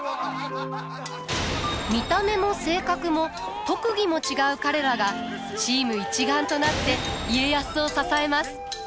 見た目も性格も特技も違う彼らがチーム一丸となって家康を支えます。